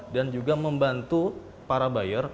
dan juga membantu para buyer